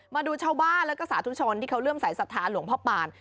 มาดูชาวบ้านแล้วก็สาธุชนที่เขาเริ่มสายศรัทธาหลวงพ่อปาน